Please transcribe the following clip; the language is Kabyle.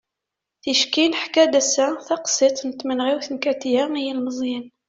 ticki neḥka-d ass-a taqsiḍt n tmenɣiwt n katia i yilmeẓyen